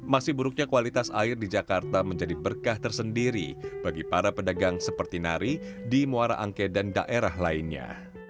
masih buruknya kualitas air di jakarta menjadi berkah tersendiri bagi para pedagang seperti nari di muara angke dan daerah lainnya